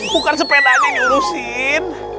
bukan sepedanya ini urusin